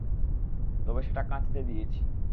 তবে সেটা কাঁচতে দিয়েছি।